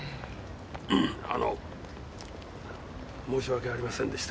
あの申し訳ありませんでした。